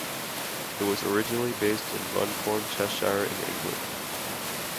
It was originally based in Runcorn, Cheshire in England.